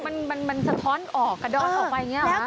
มันสะท้อนออกกระดอนออกไปอย่างนี้หรอ